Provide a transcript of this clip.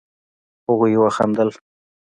هغوئ وخندل.